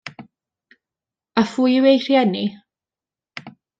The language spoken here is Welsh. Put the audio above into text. A phwy yw ei rhieni?